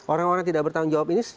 orang orang tidak bertanggung jawab ini